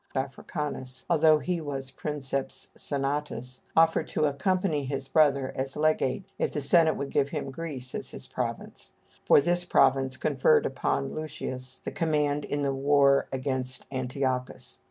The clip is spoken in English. Africanus, although he was princeps senatus, offered to accompany his brother, as legate, if the Senate would give him Greece as his province, for this province conferred upon Lucius the command in the war against Antiochus.